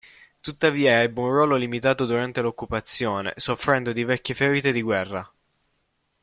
Tuttavia ebbe un ruolo limitato durante l'occupazione, soffrendo di vecchie ferite di guerra.